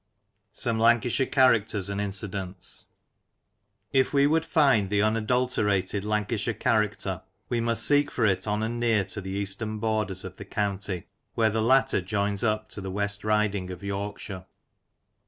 SOME LANCASHIRE CHARACTERS AND INCIDENTS. IF we would find the unadulterated Lancashire character, we must seek for it on and near to the eastern borders of the county, where the latter joins up to the West Riding of Yorkshire.